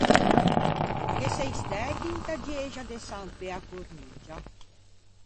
Ghe sei stæti inta gexa de San Pê à Corniggia?